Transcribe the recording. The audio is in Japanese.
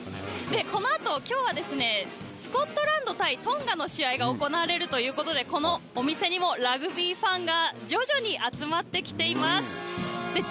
このあときょうはスコットランド対トンガの試合が行われるということで、このお店にもラグビーファンが徐々に集まってきています。